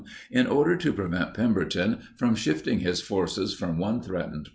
in order to prevent Pemberton from shifting his forces from one threatened point to another.